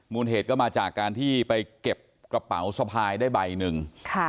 เหตุก็มาจากการที่ไปเก็บกระเป๋าสะพายได้ใบหนึ่ง